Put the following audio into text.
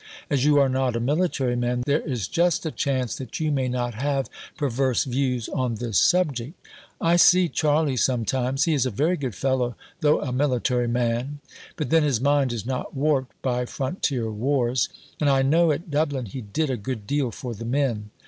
As you are not a military man, there is just a chance that you may not have perverse views on this subject. I see Charlie sometimes. He is a very good fellow, tho' a military man. But then his mind is not warped by "Frontier Wars." And I know at Dublin he did a good deal for the men.